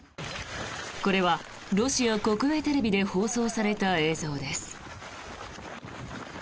これはロシア国営テレビで放送された映像です。